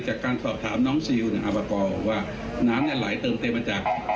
จากการสอบถามน้องซิลนี่อับปะกอลว่าน้ำเนี่ยไหลเติมเต็มมาจาก